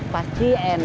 pasti mah tersenyum